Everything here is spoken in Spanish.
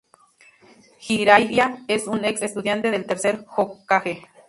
Jiraiya es un ex-estudiante del Tercer Hokage.